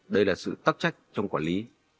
đây là sự tắc trách trong quản lý